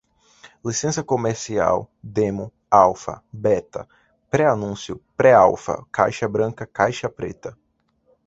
licença comercial, demo, alfa, beta, pré-anúncio, pré-alfa, caixa-branca, caixa-preta